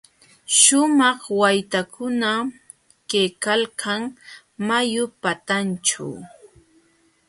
Śhumaq waytakuna kaykalkan mayu patanćhu.